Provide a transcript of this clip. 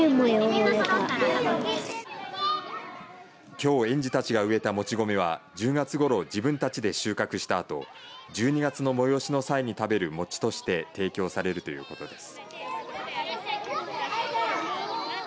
きょう園児たちが植えたもち米は１０月ごろ自分たちで収穫したあと１２月の催しの際に食べる餅として提供されるということです。